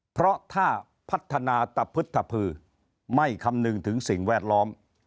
เพราะถ้าพัฒนาตะพฤตภือไม่คำนึงถึงสิ่งแวดล้อม